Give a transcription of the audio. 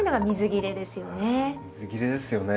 水切れですよね。